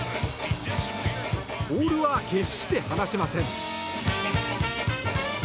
ボールは決して離しません。